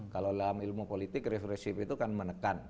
kalau dalam ilmu politik represif itu kan menekan